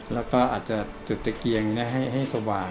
แล้วก็อาจจะจุดตะเกียงให้สว่าง